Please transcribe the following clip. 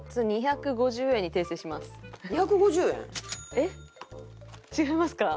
えっ違いますか？